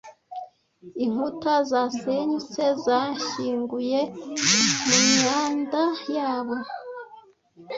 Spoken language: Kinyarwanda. Inkuta zasenyutse zanshyinguye mu myanda yabo,